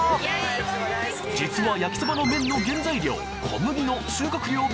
実は焼きそばの麺の原材料小麦の収穫量